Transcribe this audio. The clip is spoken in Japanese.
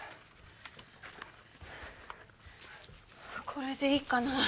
これでいいかなあ？